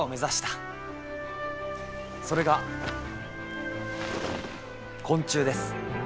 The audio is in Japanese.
それが昆虫です。